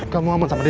kamu aman sama dia